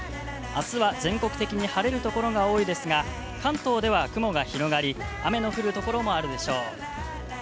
あすは全国的に晴れるところが多いですが、関東では、雲が広がり雨の降るところもあるでしょう。